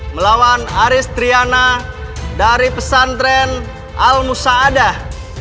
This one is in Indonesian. melawan aris triana dari pesantren al musadah